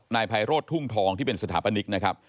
นายไพโรธทุ่งทองที่เป็นสถาปนิกนะครับ